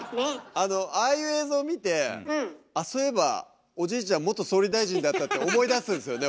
あのああいう映像見てあっそういえばおじいちゃん元総理大臣だったって思い出すんすよね